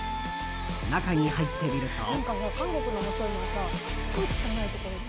中に入ってみると。